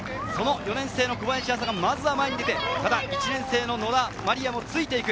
４年生の小林朝が前に出て、１年生の野田真理耶もついていく。